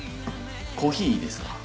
コーヒーいいですか？